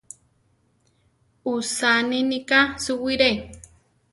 Usaninika suwire.